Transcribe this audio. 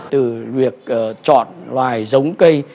từ việc chọn loài giống cây